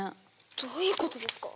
どういうことですか？